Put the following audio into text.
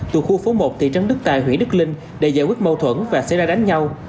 từ khu phố một thị trấn đức tài huyện đức linh để giải quyết mâu thuẫn và xảy ra đánh nhau